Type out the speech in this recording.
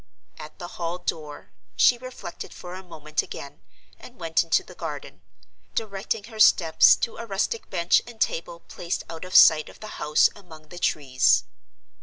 At the hall door she reflected for a moment again, and went into the garden; directing her steps to a rustic bench and table placed out of sight of the house among the trees.